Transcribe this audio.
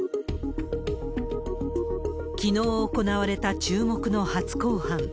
きのう行われた注目の初公判。